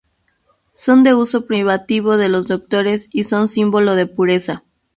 Son de uso privativo de los doctores y son símbolo de pureza.